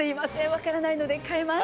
わからないので変えます。